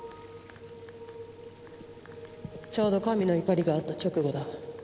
ちょうど神の怒りがあった直後だ。